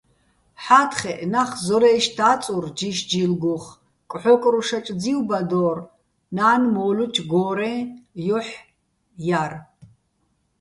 ჰ̦ა́თხეჸ ნახ ზორაჲში̆ და́წურ ჯიშ-ჯილგუხ, კჵო́კრუშაჭ ძივბადო́რ, ნა́ნ მო́ლუჩო̆ გო́რეჼ ჲოჰ̦ ჲარ.